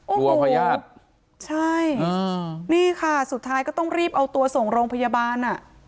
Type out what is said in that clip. พญาติใช่นี่ค่ะสุดท้ายก็ต้องรีบเอาตัวส่งโรงพยาบาลอ่ะ